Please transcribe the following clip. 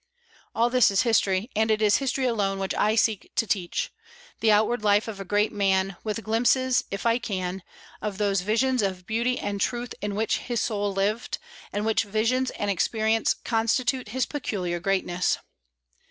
All this is history, and it is history alone which I seek to teach, the outward life of a great man, with glimpses, if I can, of those visions of beauty and truth in which his soul lived, and which visions and experiences constitute his peculiar greatness.